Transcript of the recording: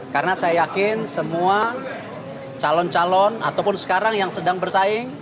karena saya yakin semua calon calon ataupun sekarang yang sedang bersaing